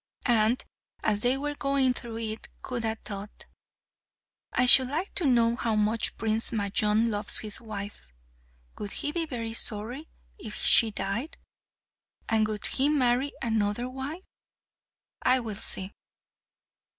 And as they were going through it, Khuda thought, "I should like to know how much Prince Majnun loves his wife. Would he be very sorry if she died? And would he marry another wife? I will see."